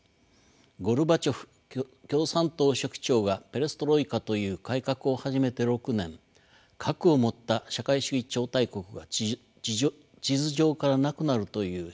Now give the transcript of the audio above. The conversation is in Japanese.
ゴルバチョフ共産党書記長がペレストロイカという改革を始めて６年核を持った社会主義超大国が地図上からなくなるという衝撃的事件でした。